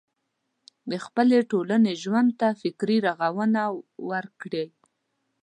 د خپلې ټولنې ژوند ته فکري روغونه ورکړي.